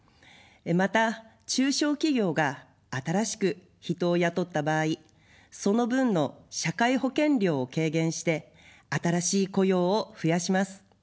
また中小企業が新しく人を雇った場合、その分の社会保険料を軽減して新しい雇用を増やします。